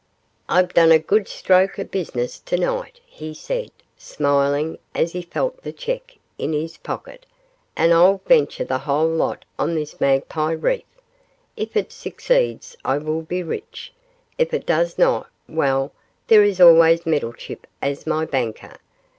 'I've done a good stroke of business tonight,' he said, smiling, as he felt the cheque in his pocket, 'and I'll venture the whole lot on this Magpie reef. If it succeeds I will be rich; if it does not well, there is always Meddlechip as my banker.